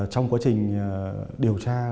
trong quá trình điều tra